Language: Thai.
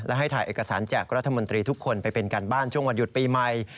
และให้ถ่ายเอกสารแจกรัฐมนตรีทุกคนไปเป็นการบ้านช่วงวันหยุดปีใหม่